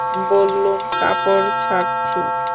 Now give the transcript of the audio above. বললুম, কাপড় ছাড়ছি।